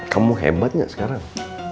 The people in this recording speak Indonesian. kamu hebat nggak sekarang